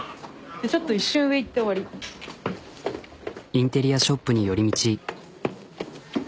インテリアショップに寄り道。